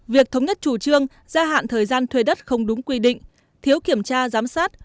việc thống nhất chủ trương gia hạn thời gian thuê đất không đúng quy định thiếu kiểm tra giám sát